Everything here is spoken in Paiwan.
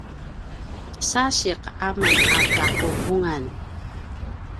sasiq amen a taquvungan